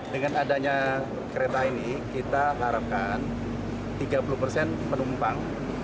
dengan adanya kereta ini kita harapkan tiga puluh persen penumpang